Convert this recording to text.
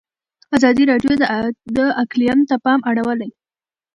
ازادي راډیو د اقلیم ته پام اړولی.